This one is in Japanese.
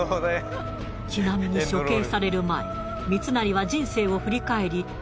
ちなみに処刑される前三成は人生を振り返り